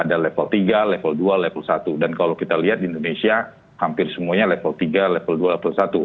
ada level tiga level dua level satu dan kalau kita lihat di indonesia hampir semuanya level tiga level dua level satu